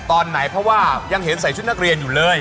ตอนไหนเพราะว่ายังเห็นใส่ชุดนักเรียนอยู่เลย